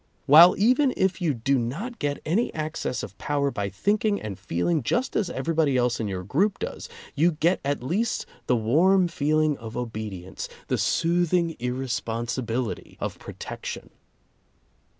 While even if you do not get any access of power by thinking and feeling just as everybody else in your group does, you get at least the warm feeling of obedience, the soothing irresponsibility of protection.